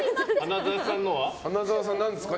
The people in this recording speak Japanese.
花澤さん、何ですか？